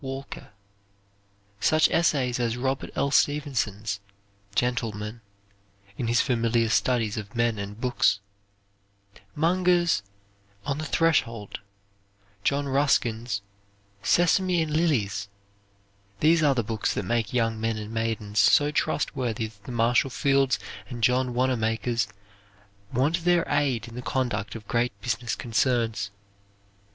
Walker, such essays as Robert L. Stevenson's "Gentlemen" (in his "Familiar Studies of Men and Books") Munger's "On the Threshold"; John Ruskin's "Sesame and Lilies" these are the books that make young men and maidens so trustworthy that the Marshall Fields and John Wanamakers want their aid in the conduct of great business concerns.